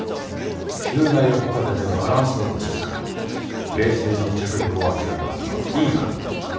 急な横風でバランスを崩したが冷静に着陸を諦めたのはいい判断だった。